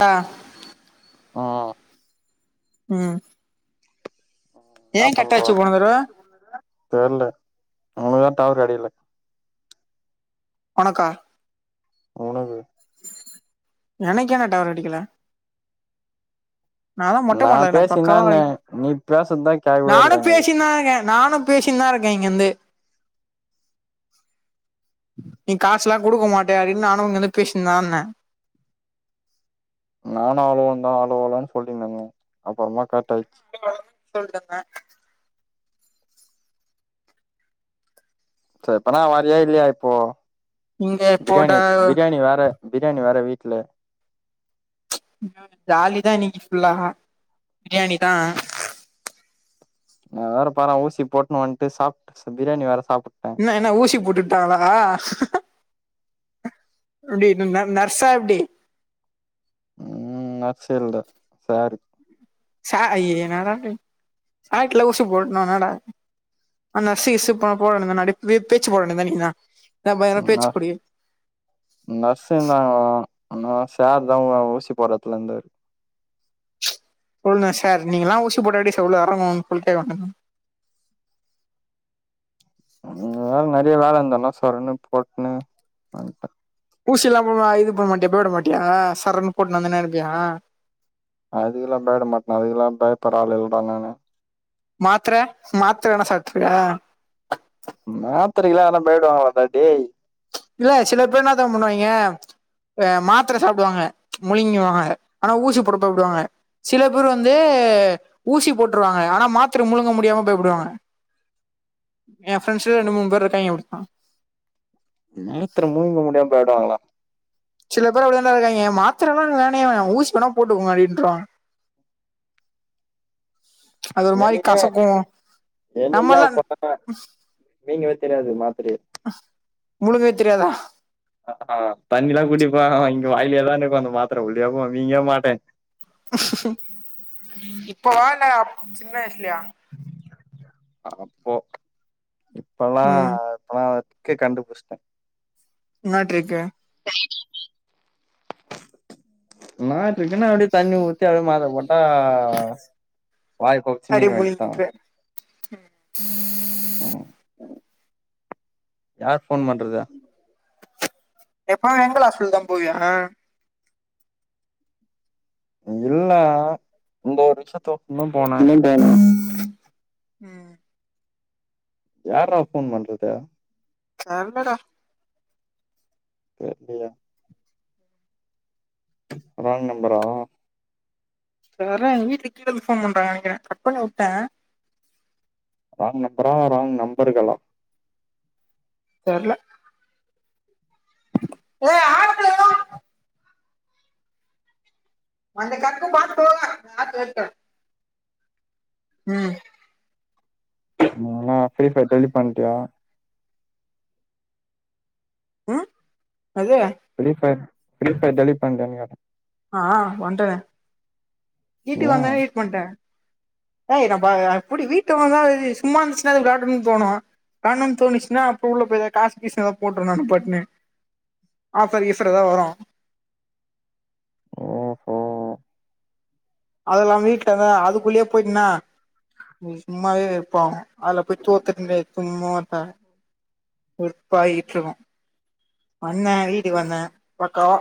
ஆ ஆ ம் என்ன ஏன் பண்றவா கட்டாச்சு போன தடவ தெரியல உனக்குதா டவர் கடைகல ஒனக்கா உனக்கு எனக்கேன டவர் கெடிக்கல நாளா மொட்ட நா மாடலண்ண பேசினான்னே பக்காவாளி நீ பேசறதுதா கேக்கவே நானு இல்ல எனக்கு பேசினந்தாங்கே நானு பேசின்தா இருக்கே இங்கிருந்தே நீ காசுல்லா குடுக்க மாட்டே அப்டின்னு நானு அங்க வந்து பேசிருதான்ந்தே நானு அவளுந்தா அலோ அலோனு சொல்லிருந்தேங்க அப்பறமா கரெட் ஆயிச்சு [unintelligible] சரிப்பனா வறியா இல்லையா இப்போ இங்க போட்ட பிரியாணி பிரியாணி வேற பிரியாணி வேர வீட்ல ஜாலிதா இன்னைக்கு புல்லா பிரியாணி தா நா வேற பாறே ஊசி போட்டு வன்ட்டு சாப் பிரியாணி வேற சாப்ட்டே என்ன என்ன ஊசி போட்டுட்டாங்களா அப்படி ந நர்சா எப்டி ம் அக்ஷய இல்த சாரி சா இ என்னடா நீ சாட்ல ஊசி போட்னா டா ஆனா சிசு பாப்போ போடணு அப்டியே பேச்சு போடணு த நீ தா நம்ம பேச்சு கூடிய நர்ஸங்சுங்க தா ஆனா சார் தா ஊசி போட்ற எடத்துல இருந்தாரு சொல்லு சார் நீங்கலா ஊசி போட்டா எப்டி சார் உள்ள ஏறங்கும் சொல்ட்டு வேல நெறைய வேல இருந்தலா சொரன்னு போட்டுன்னு வண்ட்ட ஊசிலா போ இது பண்ண மாட்டியா போட மாட்டியா சரன்னு போட்டு வந்துனேயிருப்பியா அதுக்கெல்லா பயப்பட மாட்டே அதுெல்லா பயப்பற ஆள் இல்லடா நானு மாத்தர மாத்தர எதனா சாப்ருவியா மாத்தரைக்கெல்லா எவனா பயப்படுவாங்களாப்பாடா டே இல்ல சில பேர் என்னா தெரிமா பண்ணுவாய்ங்க ஆ மாத்தர சாப்டுவாங்க முழங்கிவாங்க ஆனா ஊசி போட பயப்படுவாங்க சில பேர் வந்து ஊசி போட்ருவாங்க ஆனா மாத்தர முழுங்க முடியாம பயப்படுவாங்க [inaudible] ஏ ஃபிரெண்ட்ஸ்சே ரெண்டு மூணு பேர் இருக்காய்ங்க என்பா மாத்தர முழுங்க முடியாம பயப்படுவாங்களா சில பேர் அப்படிதாண்டா இருக்காய்ங்க மாத்தரலா எனக்கு வேணவேவேணா ஊசிவேணா போட்டுக்கோங்க அப்டின்றுவாங்க அது ஒரு மாரி கசக்கு நம்மல்லா என்னைக்காப்ப நீங்கவே தெரியாது மாத்திரி முழுங்கவே தெரியாதா ஆஹ் தண்ணில்லா குடிப்பே இங்க வாயிலேதா நிக்கு அந்த மாத்தர உள்ளயே போகு முயிங்கே மாட்டே இப்போவா இல்ல அப் சின்ன வயசுலயா. அப்போ இப்பல்லா. ம் இப்பல்லா அந்த ட்ரிக்கே கண்டுபுட்ச்சிட்ட என்ன ட்ரிக்கு [inaudible] என்னா ட்ரிக்குன்னா அப்டியே தண்ணி ஊத்தி அப்டியே மாத்தர போட்டா. வாய கொப்புளுச்சு மீங்க வேண்டிதா ம். ம் யார் ஃபோன் பண்றது எப்பவு எங்கள் ஹாஸ்பிட்டல் தா போவியா இல்ல இந்த ஒரு விஷ்யத்து இன்னு போன ம் யார்ரா ஃபோன் பண்றது தெர்லடா. தெர்லியா. ராங் நம்பரா இந்தா வர்ற எங்க வீட்ல கீழந்து ஃபோன் பண்றாங்கனு நெனைக்கிறே கட் பண்ணி வுட்ட ராங் நம்பரா ராங் நம்பர்களா. தெர்ல. ஏஹ ஆ. ம் நான்லா ஃபிரீ ஃபயர் டெலிட் பண்ட்டியா. ஆ அது. Free fire free fire delete பண்ட்டியானு கேட்ட ஆ ஆ பண்ட்டனே வீட்டுக்கு ஏன் வந்தோனே ஈட் பண்ட்ட ஏய் நம்ப அப்புடி வீட்ல ஒக்காந்தா சும்மா இருந்துச்சுனா அது விளாடுனுன்னு தோனு விளாட்னுனு தோணுச்சுனா அப்ப உள்ள போய் எதாது காசு கீசு எதா போட்ருவ நானு பட்டுனு ஆஃபர் கீஃபர் எதா வரு ஓஹோ அதெல்லா வீட்ல இருந்த அதுக்குள்ளயே போயிட்னா எங்ளுக்கு சும்மாவே வெறுப்பாவு அதுல போய் தோத்துட்னு வை சும்மாட்ட வெறுப்பாய்கிட்ருக்கு வந்த வீட்டுக்கு வந்த பக்காவா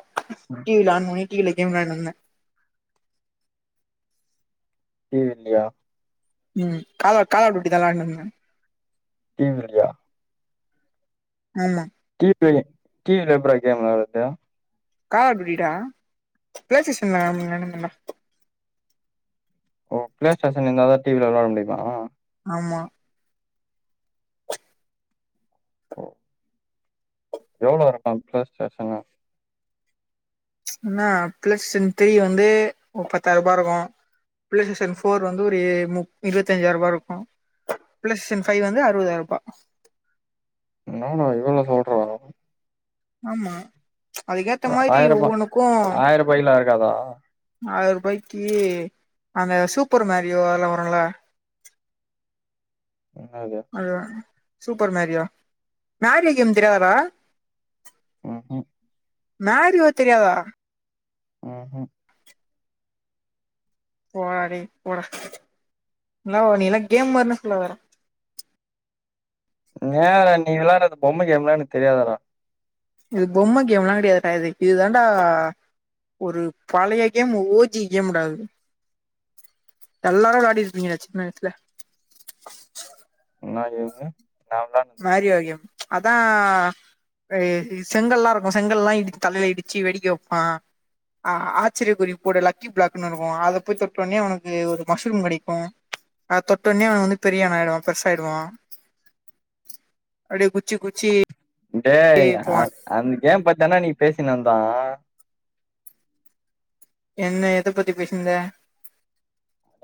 டி வில ஆன் பண்ணி டி வியில கேம் விளயாட்னு இருந்த டி வில்லியா ம் காலா காலா டூட்டி தா வெளாண்ட்னு இருந்த டி வில்யா ஆமா டி வில கேம் டி வில எப்ட்றா கேம் விளாட்றது காலா டூட்டிடா பிளே ஸ்டேஷன்ல கேம் விளான்ட்னு இருந்தண்டா ஓ பிளே ஸ்டேஷன் இருந்தாதா டி வில விளாட முடிமா ஆமா ஓ எவ்ளோ இருக்கு அந்த பிளே ஸ்டேஷனு என்ன பிளஸ் இன் திரி வந்து ஒரு பத்தாயிர ரூபா இருக்கு பிளே ஸ்டேஷன் ஃபோர் வந்து ஒரு ஏ முப் இருவத்தஞ்சாயிர ரூபா இருக்கு பிளே ஸ்டேஷன் ஃபைவ் வந்து அறுவதாயிர ரூபா என்னாடா இவ்ளோ சொல்ற ஆமா அதுக்கேத்த மாரி ஆயிரரூபா ஒவ்வொன்னுக்கு ஆயிரம் ரூபாய்க்குலாம் இருக்காதா ஆயிர்பாய்க்கி அந்த சூப்பர் மேரியோ அதெல்லா வருல்ல. என்னாது அதுவா சூப்பர் மேரியோ மேரி கேம் தெரியாதாடா? ம்ஹு மேரியோவ தெரியாதா? ம்ஹு போடா டே போடா நில்லா ஒ நீயில்லா கேம் மார்னே சொல்லாதடா. ஏடா நீ விளாட்றது பொம்ம கேம்ல்லா எனக்கு தெரியாதாடா? இது பொம்ம கேம்லா கெடையாதுடா இது இதுதாண்டா ஒரு பழைய கேம் ஓ ஜி கேம்டா இது. எல்லாரு வெளாடிருப்பிங்க இத சின்ன வயசுல. முன்னாடி இவுங்க நாந்தான்னு மேரியோ கேம் அத்தா அ இ செங்கல்லா இருக்கு செங்கல்லா இடிச் தலைல இடிச்சி வெடிக்க வெப்பா. ஆ ஆச்சரிய குறி போடு லக்கி பிளாக்ன்னு இருக்கு அத போய் தொட்டொன்னே அவுனக்கு ஒரு மஷ்ரூம் கெடைக்கு. அத தொட்டொன்னே அவ வந்து பெரிய ஆனாய்டுவா பெருசாய்டுவா. அப்டே குச்சி குச்சி டேய் அ போவான் அந் கேம் பத்தான அன்னிக் பேசினிந்தோ. என்ன எத பத்தி பேசின்ந்த?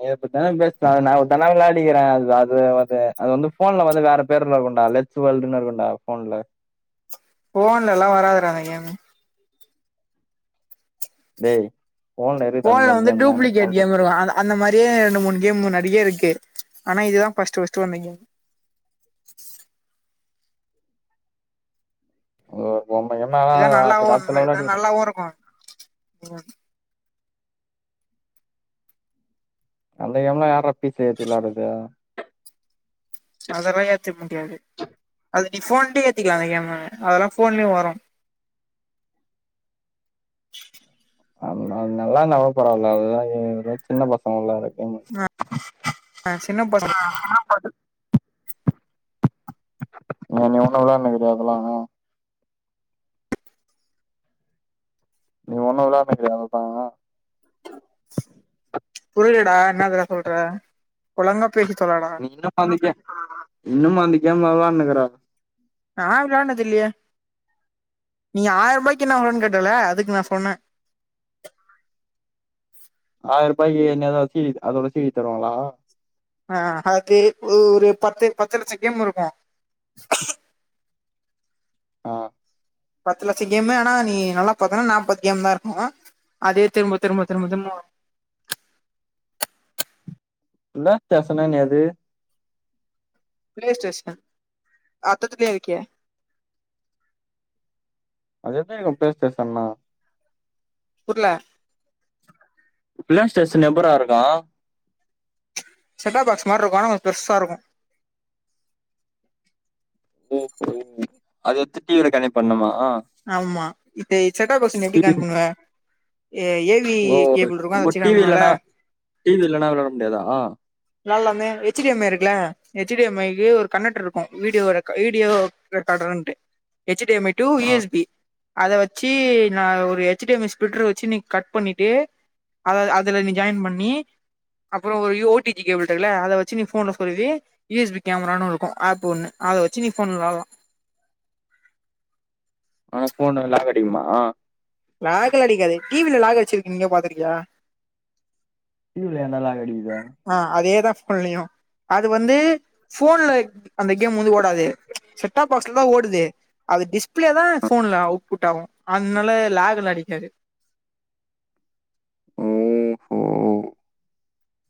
இத பத்தான பேசுன அது நா ஒருத்தனா விளாடிக்கிறே அது அது வந்து அது வந்து ஃபோன்ல வந்து வேற பேருல இருக்குண்டா லெ க்ஸ்வல்டுனு இருக்குண்டா ஃபோன்ல. ஃபோன்ல எல்லா வராதுடா இந்த கேமு. டேய் இருக்குது அந்த ஃபோன்ல மாரி வந்து கேம்லா நீ டூப்ளிகேட் கேம் சொல்றது இருக்கு அதா அந்த மாரியே ரெண்டு மூணு கேம் நெறிய இருக்கு ஆனா இது தா ஃபஸ்ட்டு ஃபஸ்ட்டு வந்த கேம். ஓ பொம்ம கிம்ம ஆனா அது அந்த காலத்துல விளையாடிரு டோருக்கு. ம். அந்த கேம்லா யார்ரா பி சி ல ஏத்தி வெளாட்றது. அதெல்லா ஏத்திக் முடியாது அது நீ ஃபோன்லியே ஏத்திக்லா அந்த கேம அதுல்லா ஃபோன்லியு வரு. அது ந நல்லாந்தா கூடா பரவால்ல அதுதா ஏ அதுலா சின்ன பசங்க வெளாற கேமு. அ சின்ன [inaudible] ஆஹா படு நீ இன்னியு உன்னு விளான்னிக்கிறியா அதுல்லா நீ உன்னு விளான்னிக்கிறியா அதல்லா? புரிலடா என்னாதுடா சொல்ற ஒழங்கா பேசி தொலடா நீ இன்னுமா அந்த கே இன்னுமா அந்த கேம் வெளான்னுக்குற? நா அது விளான்னதில்லியே நீ ஆயிர்பாய்க்கு என்ன வருன் கேட்டல அதுக்கு நா சொன்னே. ஆயிர்பாய்க்கி என்ன எதாவது சி டி அதோட சி டி தருவாங்களா? ஆ அதுக்கு ஒ ஒரு பத்து பத்து லட்சங் கேம் இருக்கு. ஆ. பத்து லட்சங் கேமு ஆனா நீ நல்லா பாத்தனா நாப்பது கேம்தா இருக்கு அதே திரும்ப திரும்ப திரும்ப திரும்ப வரு இல்ல டேஷனான் எது ப்ளே ஸ்டேஷன் அத்தத்துலியேருக்கே. அது‌‌ என்ன இருக்கு ப்ளே ஸ்டேஷன்னா? புர்ல. ப்ளே ஸ்டேஷன் எப்பர்றா இருக்கு? செட்டாஃப் பாகஸ் மார்ருக்கு ஆனா ‌கொஞ் பெர்சாருக்கு. ஓஹோ அது எத்துட்டு இத கனெ பண்ணுமா? ஆமா இப்ப செட்டா பாக்ச நீ எப்டி டிவி கனட் பண்ணுவ ஏ ஏ பி கேப்பிள் இருக்கு அதல வெச்சிக்கலாம்ல டி வி இல்லனா விளாட முடியாதா விளாட்லமே ஹெச் டி எம் இருக்குல ஹச் டி எம் ஐ க்கு ஒரு கனெக்ட்டர் இருக்கு வீடியோ வீடியோ ரெக்கார்டர்ன்டு H D M I to E S B அத வச்சு நா ஒரு H D M S splitter வச்சு நீ கட் பண்ணிட்டு அத அதுல நீ ஜாயின் பண்ணி அப்றோ ஒரு யோ டி வி கேபிள் இருக்குல அத வச்சு நீ ஃபோன்ல சொறுவி யு எஸ் பி கேமரான்னு இருக்கு ஆப் ஒன்னு அத வச்சு நீ ஃபோன்ல வெளையாட்லா ஆனா ஃபோன் லாக்கடிகுமா லாக்கெல்லா அடிக்காது டி வி ல லாக்கடிச்சி நீ எங்கயாது பாத்துருக்கியா டி வி ல ஏன்டா லாக்கடிக்குது ஆ அதேதா ஃபோன்லயு அது வந்து ஃபோன்ல அந்த கேம் வந்து ஓடாது செட்டாப் பாக்ஸ்ல தா ஓடுது அது டிஸ்பிளே தா ஃபோன்ல அவுட்புட் ஆகு அத்னால லாக்குல்லா அடிக்காது ஓஹோ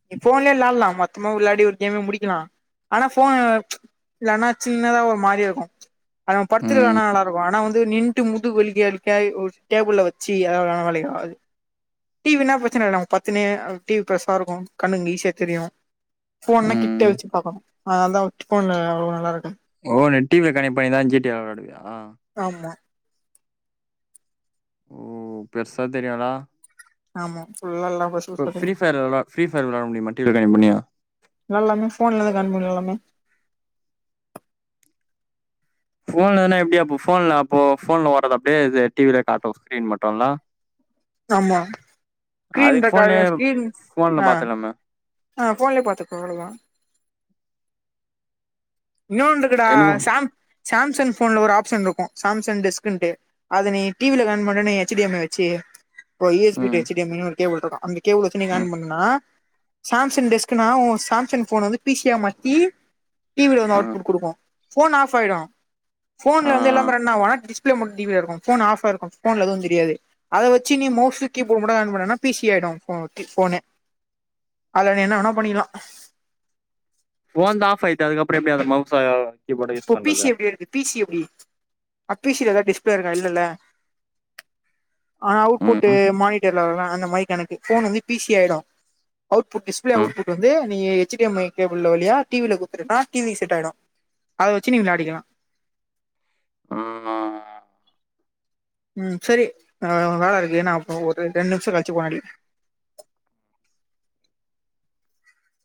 நீ ஃபோன்லயே விளாட்லா மொத்தமா விளாடி ஒரு கேமே முடிக்கலா ஆனா ஃபோன் வெளையாட்னா சின்னதா ஒரு மாரியா இருக்கு ஆனா படுத்துட்டு ம் விளையாட்னா நல்லா இருக்கு ஆனா வந்து நின் ன்டு முது வலிக்க வலிக்க ஒரு டேபிள்ல வச்சி அதலா விளையாட்னா வேலைக்கு ஆவாது டி வி னா பிரச்சன இல்ல நம்ம படுத்துனே டி வி பெருசா இருக்கு கண்ணுக்கு ஈஷியா தெரியு ஃபோன்னா ம் கிட்ட வெச்சி பாக்குனு அதனால் தா ஃபோன்ல அவ்ளோவா நல்லாருக்காது ஓ நீ டி வி ல கனெக்ட் பண்ணிதா ஜி டி விளாடுவியா ஆமா ஓ பெருசா தெரியாத ஆமா ஃபுல்லா லவ்வர்ஸ் இப்ப ஃப்ரீ ஃபயர் விளையாட் ஃப்ரீ ஃபயர் விளையாட முடியுமா டி வி ல கனெக்ட் பண்ணி விளையாட்லாமே ஃபோன்ல கனெக்ட் பண்ணி விளையாட்லாமே ஃபோன்லனா எப்டி அப்போ ஃபோன்ல அப்போ ஃபோன்ல வராதா அப்டியே இது டி வி ல காட்டோ ஸ்கரீன் மட்டுல்லா [inaudible] ஆமா ஸ்கிரீன் ஃபோன்லயே ரெக்கார்டர் ஸ்கிரீன் ஃபோன்ல ஆ பாத்துலாமே ஆ ஃபோன்லயே பாத்துக்கோ அவ்ளோதா இன்னொன்ருக்குடா எனக்கு சாம் சாம்சங் ஃபோன்ல ஒரு ஆப்ஷன் இருக்கு சாம்சங் டெஸ்குன்ட்டு அது நீ டி வி ல கனெக்ட் பண்றேன்னு வையி எச் டி எம் எச் வெச்சி ஒரு இ எஸ் பி டூ ம் ஏச் டி எம் இ ன்னு ஒரு கேபிள் இருக்கு அந்த கேபிள் வச்சு நீங்க ம் ஆன் பண்லா சாம்சங் டெஸ்க்னா ஒன் சாம்சங் ஃபோன் வந்து பீ சி யா மாத்தி டி வி ல வந்து அவுட் ம் புட் குடுக்கு ஃபோன் ஆஃப் ஆயிடு ஆ ஃபோன்ல வந்து எல்லாமே ரன் ஆவோ ஆனா டீஷ் ல மட்டு டி வி ல இருக்கு ஃபோன் ஆஃப் ஆயிருக்கு ஃபோன்ல எதுவு தெரியாது அத வெச்சி நீ மோஸ்லி கீ போர்டு மட்டு ஆன் பண்ணேனா பி சி ஆயிடு க்கீ ஃபோனே அதுல நீ என்ன வேணா பண்ணிக்லா ஃபோன்தா ஆஃப் ஆயிட்டே அதுக்கப்றோ எப்டி அத மவுஸா இப்போ பி சி எப்டி இருக்கு பி சி எப்டி பி சி ல ஏதா டிஸ்பிளே இருக்கா இல்லல்ல ஆனா அவுட் ம் புட்டு மானிட்டர்லா வருல அந்த மாரி கனெக்ட்டு ஃபோனு வந்து பி சி ஆயிடு [inaudible] அவுட்புட் டிஸ்ப்ளே ம் அவுட்புட்டு வந்து நீ H D M I cable வழியா டி வி ல குடுத்துட்டேனா டி வி க்கு செட் ஆயிடு அத வெச்சு நீங்க வெளாடிக்கலா ஆமா ம் சேரி அ வேல இருக்கு நான்‌ அப்றோ ஒரு ரெண்டு நிமிஷோ கழிச்சி ஃபோன் அடிக்குறே